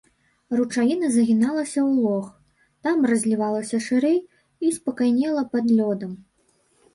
Ручаіна загіналася ў лог, там разлівалася шырэй і спакайнела пад лёдам.